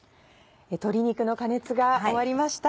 鶏肉の加熱が終わりました。